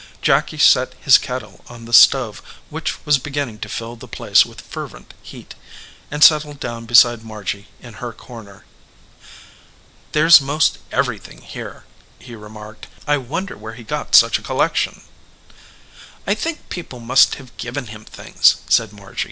Jacky set his kettle on the stove, which was beginning to fill the place with fervent heat, and settled down beside Margy in her corner. "There s most everything here," he remarked. "I wonder where he got such a collection." "I think people must have given him things," said Margy.